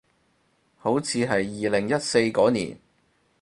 好似係二零一四嗰年